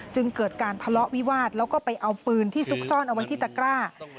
จึงเกิดการทะเลาะวิวาสแล้วก็ไปเอาปืนที่ซุกซ่อนเอาไว้ที่ตะกร้า